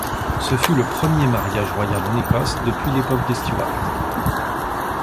Ce fut le premier mariage royal en Écosse depuis l'époque des Stuart.